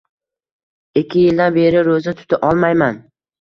Ikki yildan beri roʻza tuta olmayman.